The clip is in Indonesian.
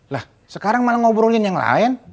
lah sekarang malah ngobrolin yang lain